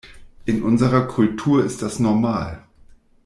In unserer Kultur ist das normal.